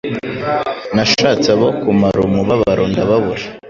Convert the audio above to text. nashatse abo kumara umubabaro ndababura.